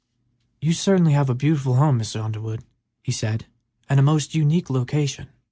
"You certainly have a beautiful home, Mr. Underwood," he said, "and a most unique location.